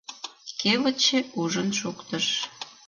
Кевытче ужын шуктыш.